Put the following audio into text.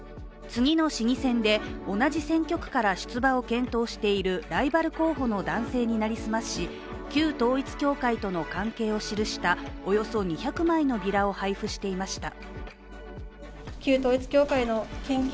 次の市議選で同じ選挙区から出馬を検討しているライバル候補の男性に成り済まし、旧統一教会との関係を記したおよそ２００枚のビラを配布していました。